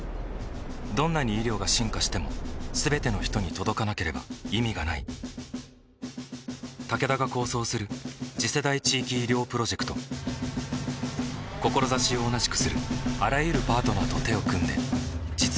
どんなに医療が進化しても全ての人に届かなければ意味がないタケダが構想する次世代地域医療プロジェクト志を同じくするあらゆるパートナーと手を組んで実用化に挑む